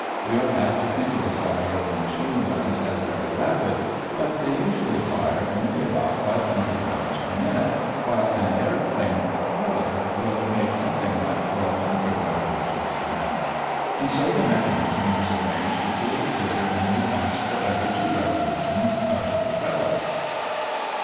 We are apt to think of the fire of the machine guns as very rapid, but they usually fire only about five hundred rounds per minute, while an airplane propeller will make something like twelve hundred revolutions per minute. And so the mechanism was arranged to pull the trigger only once for every two revolutions of the propeller.